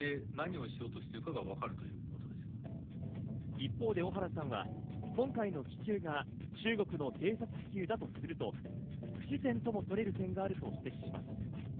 一方で小原さんは、今回の気球が中国の偵察気球だとすると、不自然ともとれる点があると指摘します。